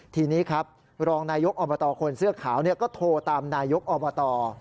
ทีนี้ครับรองนายกอบตคนเสื้อขาวก็โทรตามนายกอบต